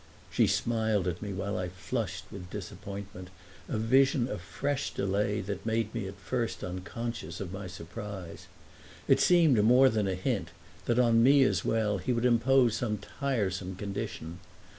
She smiled at me while I flushed with disappointment, a vision of fresh delay that made me at first unconscious of my surprise. It seemed more than a hint that on me as well he would impose some tiresome condition.